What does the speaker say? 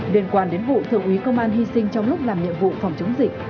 liên quan đến vụ thượng úy công an hy sinh trong lúc làm nhiệm vụ phòng chống dịch